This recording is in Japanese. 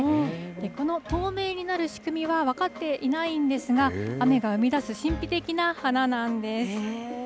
この透明になる仕組みは分かっていないんですが、雨が生み出す神秘的な花なんです。